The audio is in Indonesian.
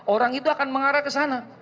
orang itu akan mengarah kesana